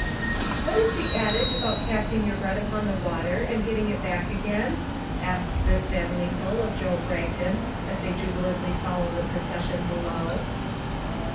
"What is the adage about casting your bread upon the water and getting it back again?" asked "Rip" Van Winkle of Joe Bragdon as they jubilantly followed the procession below.